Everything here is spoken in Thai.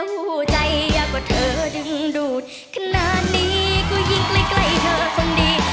หัวใจก็เธอดึงดูดขนาดนี้ก็ยิ่งใกล้ไกลเธอคนดี